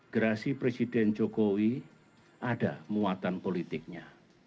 gerasi presiden jokowi ada muatan politiknya